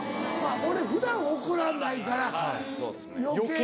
俺普段怒らないから余計。